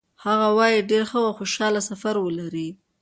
هغه وایي چې ډېر ښه او خوشحاله سفر ولرئ.